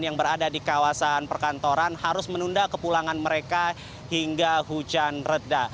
yang berada di kawasan perkantoran harus menunda kepulangan mereka hingga hujan reda